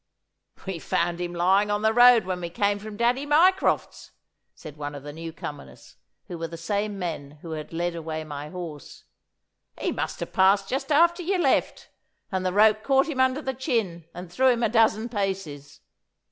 'We found him lying on the road when we came from Daddy Mycroft's,' said one of the new comers, who were the same men who had led away my horse. 'He must have passed just after you left, and the rope caught him under the chin and threw him a dozen paces.